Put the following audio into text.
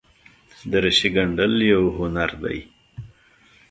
دریشي ګنډل یوه هنر دی.